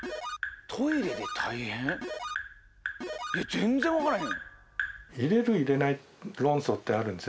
全然分からへん！